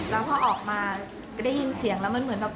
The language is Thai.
แล้วพอออกมาจะได้ยินเสียงแล้วมันเหมือนแบบ